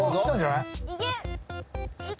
いけ！